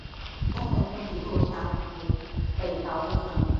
丰臣军一路降伏北条支城。